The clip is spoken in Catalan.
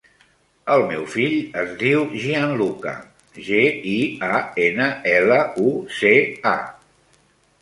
El meu fill es diu Gianluca: ge, i, a, ena, ela, u, ce, a.